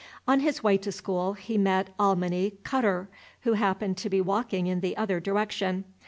On his way to school he met Alminy Cutterr, who happened to be walking in the other direction.